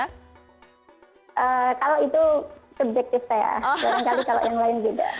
kalau itu subjektif saya barangkali kalau yang lain beda